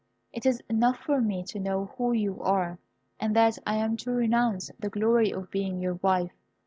It is enough for me to know who you are, and that I am to renounce the glory of being your wife.